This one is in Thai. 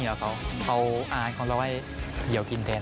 เอาอาหารของเราให้เหยียวกินเต้น